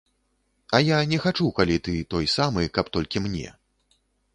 А я не хачу, калі ты той самы, каб толькі мне.